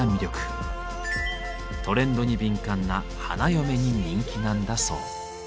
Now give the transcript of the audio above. トレンドに敏感な花嫁に人気なんだそう。